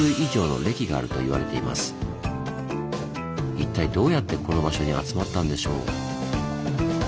一体どうやってこの場所に集まったんでしょう？